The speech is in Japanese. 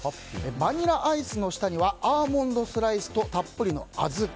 バニラアイスの下にはアーモンドスライスとたっぷりの小豆。